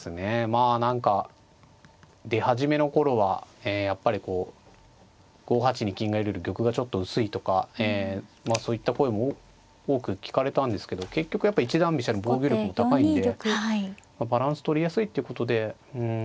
まあ何か出始めの頃はやっぱりこう５八に金がいるより玉がちょっと薄いとかそういった声も多く聞かれたんですけど結局やっぱ一段飛車の防御力も高いんでバランスとりやすいっていうことでうん